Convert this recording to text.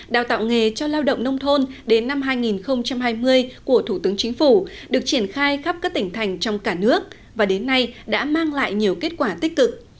đào tạo nghề cho lao động nông thôn đến năm hai nghìn hai mươi của thủ tướng chính phủ được triển khai khắp các tỉnh thành trong cả nước và đến nay đã mang lại nhiều kết quả tích cực